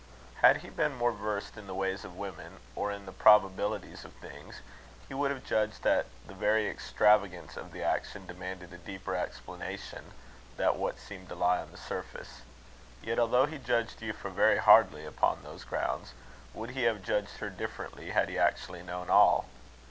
Had he been more versed in the ways of women, or in the probabilities of things, he would have judged that the very extravagance of the action demanded a deeper explanation than what seemed to lie on the surface. Yet, although he judged Euphra very hardly upon those grounds, would he have judged her differently had he actually known all?